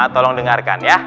tolong dengarkan ya